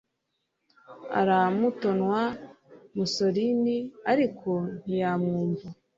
Aramutonwa musoreera ariko ntiyamwumva